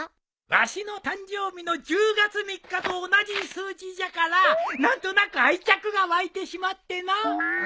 わしの誕生日の１０月３日と同じ数字じゃから何となく愛着が湧いてしまってな。